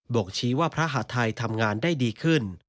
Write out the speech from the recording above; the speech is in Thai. ชี้ว่าพระหาทัยทำงานได้ดีขึ้น